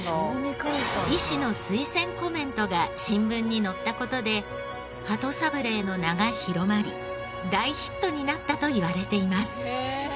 医師の推薦コメントが新聞に載った事で鳩サブレーの名が広まり大ヒットになったといわれています。